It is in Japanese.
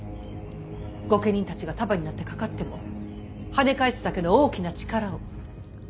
御家人たちが束になってかかってもはね返すだけの大きな力を。